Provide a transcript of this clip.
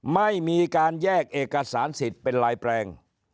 ไม่มีการแยกเอกสารสิทธิ์เป็นลายแปลง